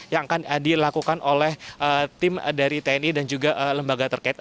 yang akan dilakukan oleh tim dari tni dan juga lembaga terkait